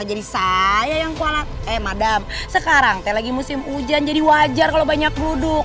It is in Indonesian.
saya yang kuala eh madam sekarang kayak lagi musim hujan jadi wajar kalau banyak duduk